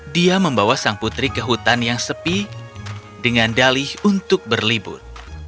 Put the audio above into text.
dia membawa sang putri ke hutan yang sepi dengan dalih untuk berlibur